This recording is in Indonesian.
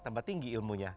tambah tinggi ilmunya